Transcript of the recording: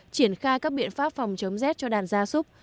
triển khai các biện pháp phòng chống rét cho đàn gia súc